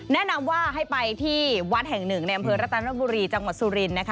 แนะนำว่าให้ไปที่วัดแห่งหนึ่งพรรษนี้ในยังไง